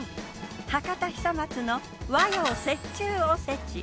博多久松の和洋折衷おせち。